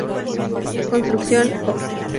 Construction Co.